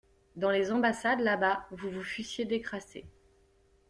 Dans les ambassades, là-bas, vous vous fussiez décrassé.